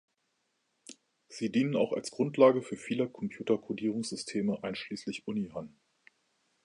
Sie dienen auch als Grundlage für viele Computercodierungssysteme, einschließlich Unihan.